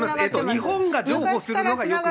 日本が譲歩するのが良くない。